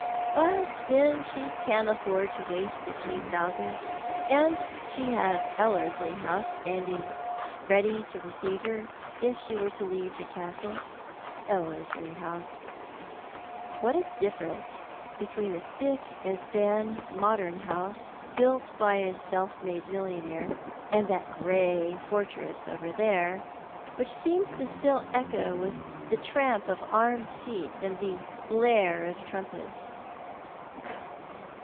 But then sho can afford to waste a few thousands. And she has EUerslio House standing ready to receive her, if she were to leave the Castle. EUerslio House I What a dillereuce between the spick and span modern house, built by n self made millionaire, and that grey fortress over there, which seems still to echo with the tramp of armed feet, au(l the blare of trumpet^."